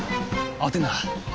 慌てんな。